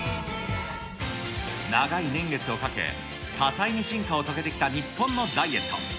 長い年月をかけ、多彩に進化を遂げてきた日本のダイエット。